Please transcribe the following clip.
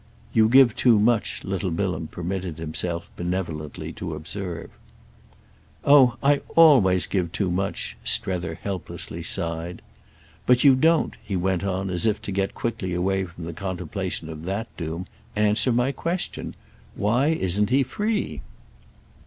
"You give too much," little Bilham permitted himself benevolently to observe. "Oh I always give too much!" Strether helplessly sighed. "But you don't," he went on as if to get quickly away from the contemplation of that doom, "answer my question. Why isn't he free?"